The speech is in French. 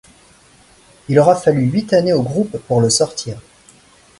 Il aura fallu huit années au groupe pour le sortir.